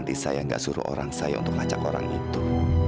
nanti saya nggak suruh orang saya untuk ngajak orang itu